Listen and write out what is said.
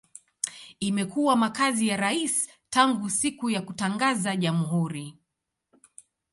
Imekuwa makazi ya rais tangu siku ya kutangaza jamhuri.